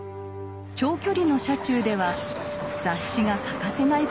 長距離の車中では雑誌が欠かせない存在でした。